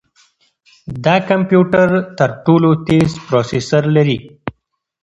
دا کمپیوټر تر ټولو تېز پروسیسر لري.